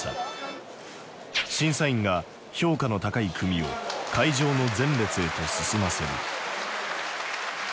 審査員が評価の高い組を会場の前列へと進ませる。